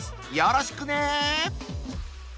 よろしくね！